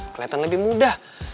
kelihatan lebih mudah